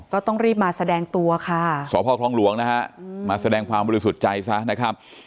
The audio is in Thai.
ก็ต้องรีบมาแสดงตัวค่ะสพคลองหลวงนะฮะมาแสดงความบริสุทธิ์ใจซะนะครับ